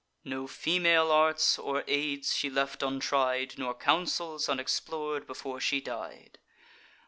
No female arts or aids she left untried, Nor counsels unexplor'd, before she died.